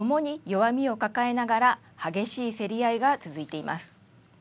ともに弱みを抱えながら激しい競り合いが続いています。